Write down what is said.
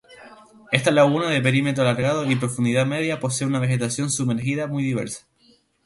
Esta laguna, de perímetro alargado y profundidad media, posee una vegetación sumergida muy diversa.